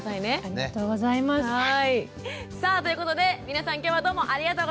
さあということで皆さん今日はどうもありがとうございました！